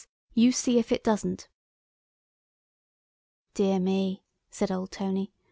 —You see if it doesn't." "Dear me," said old Tony.